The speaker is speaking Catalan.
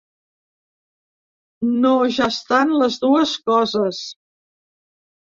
No ja estan les dues coses.